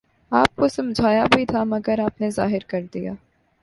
آپ کو سمجھایا بھی تھا مگر آپ نے ظاہر کر دیا۔